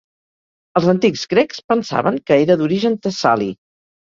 Els antics grecs pensaven que era d'origen tessali.